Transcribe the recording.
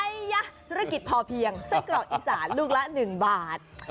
ยะธุรกิจพอเพียงไส้กรอกอีสานลูกละ๑บาท